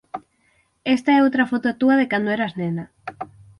Esta é outra foto túa de cando eras nena.